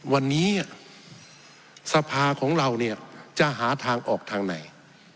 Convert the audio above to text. วันนี้สภาของเราเนี่ยจะหาทางออกทางไหน